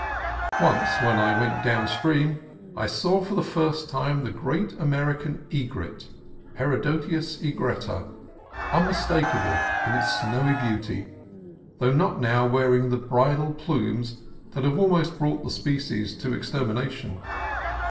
Once when I went down to the stream I saw for the first time the great American egret (Herodias egretta), unmistakable in its snowy beauty, though not now wearing the bridal plumes that have almost brought the species to extermination.